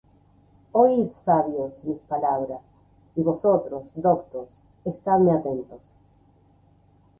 Oid, sabios, mis palabras; Y vosotros, doctos, estadme atentos.